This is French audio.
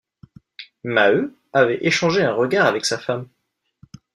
Maheu avait échangé un regard avec sa femme.